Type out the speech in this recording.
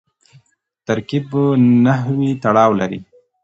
ترکیب نحوي تړاو لري.